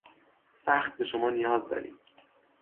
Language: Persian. سخت به شما نیاز داریم.